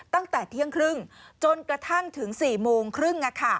ตั้งแต่เที่ยงครึ่งจนกระทั่งถึง๔โมงครึ่ง